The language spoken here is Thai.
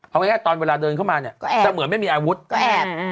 เอาไว้แค่ตอนเวลาเดินเข้ามาเนี้ยก็แอบจะเหมือนไม่มีอาวุธก็แอบอ่าอ่าอ่า